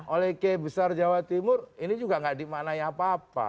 oleh kbjt ini juga gak dimaknanya apa apa